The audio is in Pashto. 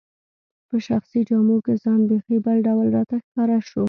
په شخصي جامو کي ځان بیخي بل ډول راته ښکاره شو.